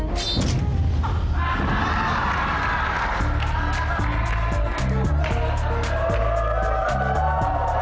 berantakan semua berantakan semua